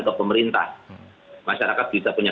ke pemerintah masyarakat bisa punya